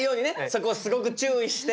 そこをすごく注意して。